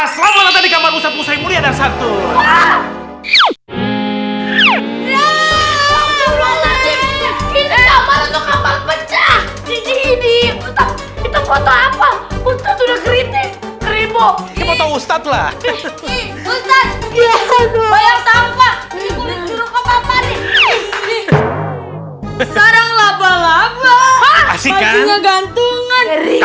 selamat datang di kamar ustadz musaimuli adasadun